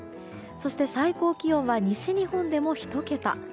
そして最高気温は西日本でも１桁。